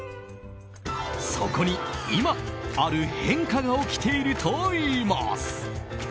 そこに今、ある変化が起きているといいます。